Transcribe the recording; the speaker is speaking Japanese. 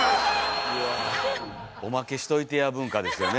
「オマケしといてや文化」ですよね。